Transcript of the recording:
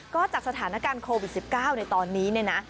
ก็จากสถานการณ์โควิด๑๙ในตอนนี้เนี่ยนะ